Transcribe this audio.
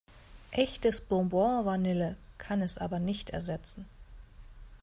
Echtes Bourbon-Vanille kann es aber nicht ersetzen.